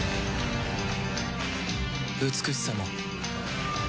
美しさも